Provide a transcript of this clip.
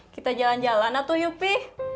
kita jalan jalan lah tuh yuk pi